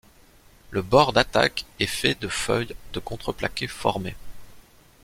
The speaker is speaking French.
Le bord d'attaque est fait de feuilles de contreplaqué formées.